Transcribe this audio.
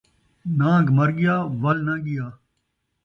نان٘گ مر ڳیا ، ول ناں ڳیا